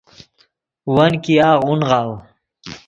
ون ګیاغ اونغاؤ